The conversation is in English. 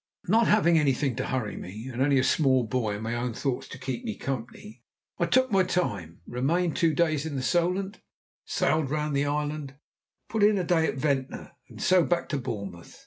Not having anything to hurry me, and only a small boy and my own thoughts to keep me company, I took my time; remained two days in the Solent, sailed round the island, put in a day at Ventnor, and so back to Bournemouth.